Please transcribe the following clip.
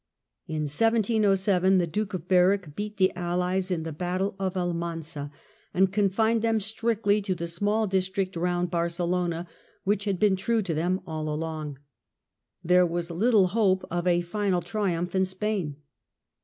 In 1707 the Duke of Berwick beat the Allies in the battle of Almanza, and confined them strictly to the small district round Barcelona, which had been true to them all along. There was little hope of a final triumph in Spain.